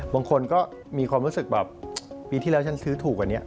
บางคนก็มีความรู้สึกแบบปีที่แล้วฉันซื้อถูกกว่านี้